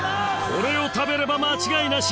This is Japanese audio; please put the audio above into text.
これを食べれば間違いなし！